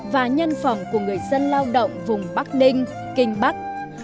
và nhân phòng của người dân lao động vùng bắc đinh kinh bắc